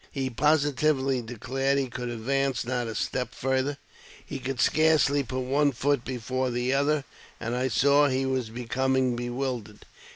He positively declared he could advance not a step farther ; he could scarcely put one foot before the other, and I saw he was becoming bewildered.